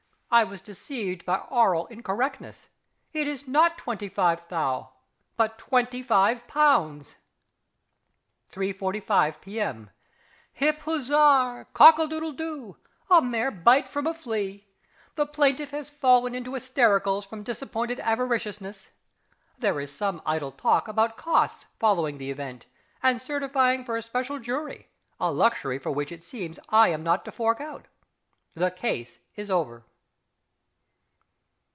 I was deceived by aural incorrectness. It is not twenty five thou. but twenty five pounds! 3.45. Hiphussar! Cockadoodledoo! A mere bite from a flea!... The plaintiff has fallen into hystericals from disappointed avariciousness.... There is some idle talk about costs following the event, and certifying for a special jury a luxury for which it seems I am not to fork out. The case is over.